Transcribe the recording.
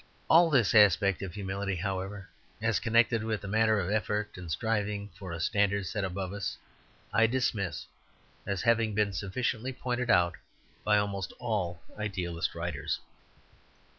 All this aspect of humility, however, as connected with the matter of effort and striving for a standard set above us, I dismiss as having been sufficiently pointed out by almost all idealistic writers.